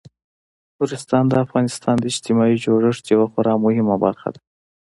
نورستان د افغانستان د اجتماعي جوړښت یوه خورا مهمه برخه ده.